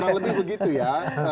jadi kurang lebih begitu ya